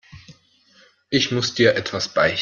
Ich muss dir etwas beichten.